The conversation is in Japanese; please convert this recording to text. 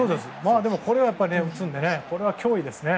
でもこれを打つのは脅威ですね。